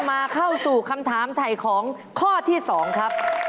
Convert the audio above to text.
มาเข้าสู่คำถามถ่ายของข้อที่๒ครับ